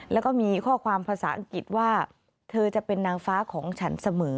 แล้วก็มีข้อความภาษาอังกฤษว่าเธอจะเป็นนางฟ้าของฉันเสมอ